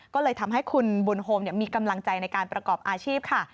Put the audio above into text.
ก็เลยทำให้คุณบุญโฮมมีกำลังใจในการประกอบอาชีพค่ะ